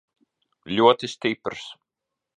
Ļoti stiprs.